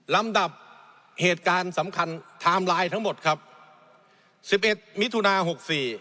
ลำดับเหตุการณ์สำคัญไทม์ไลน์ทั้งหมดครับสิบเอ็ดมิถุนาหกสี่